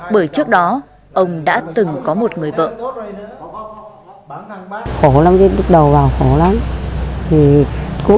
bởi trước đó ông đã từng có một người vợ